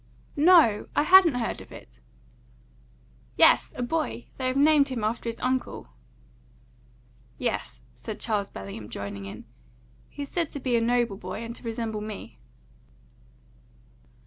"No! I hadn't heard of it!" "Yes; a boy. They have named him after his uncle." "Yes," said Charles Bellingham, joining in. "He is said to be a noble boy, and to resemble me."